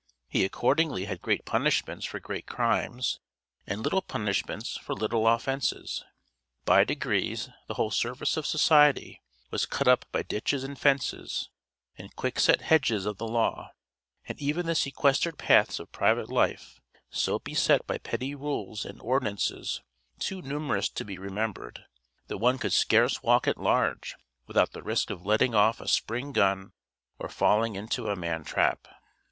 He accordingly had great punishments for great crimes, and little punishments for little offences. By degrees the whole surface of society was cut up by ditches and fences, and quickset hedges of the law, and even the sequestered paths of private life so beset by petty rules and ordinances, too numerous to be remembered, that one could scarce walk at large without the risk of letting off a spring gun or falling into a man trap.